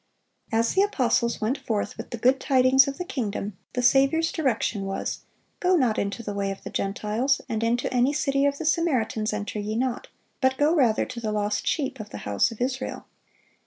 As the apostles went forth with the good tidings of the kingdom, the Saviour's direction was, "Go not into the way of the Gentiles, and into any city of the Samaritans enter ye not: but go rather to the lost sheep of the house of Israel."